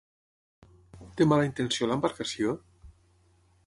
Té mala intenció l'embarcació?